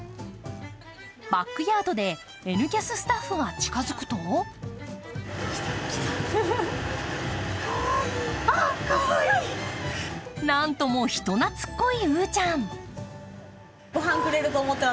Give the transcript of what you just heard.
バックヤードで「Ｎキャス」スタッフが近づくと何とも人懐っこいうーちゃん。